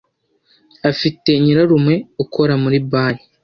Afite nyirarume ukora muri banki.